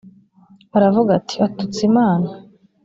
aravuga ati atutse imana